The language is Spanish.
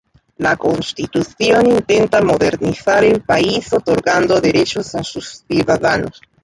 La constitución intenta modernizar el país otorgando derechos a sus ciudadanos.